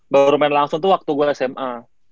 baru main langsung tuh waktu gue sma